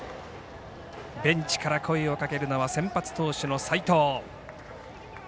ベンチから声をかけるのは先発投手の齋藤。